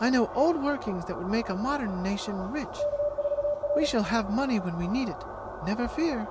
I know old workings that would make a modern nation rich! We shall have money when we need it, never fear!